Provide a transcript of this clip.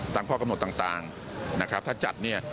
ข้อกำหนดต่างนะครับถ้าจัดเนี่ย